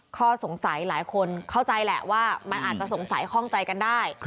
ข้อสงสัยหลายคนเข้าใจแหละว่ามันอาจจะสงสัยข้องใจกันได้